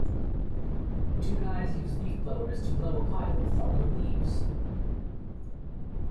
Two guys use leaf blowers to blow a pile of fallen leaves.